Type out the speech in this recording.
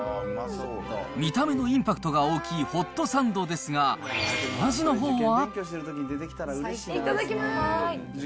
見た目のインパクトが大きいホットサンドですが、お味のほういただきます。